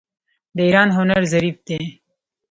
د ایران هنر ظریف دی.